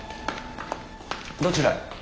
どちらへ？